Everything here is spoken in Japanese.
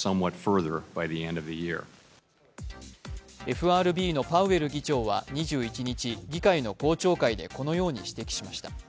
ＦＲＢのパウエル議長は２１日、議会の公聴会で、このように指摘しました。